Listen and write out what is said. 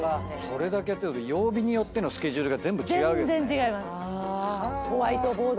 それだけやると曜日によってのスケジュールが全部違うわけですね。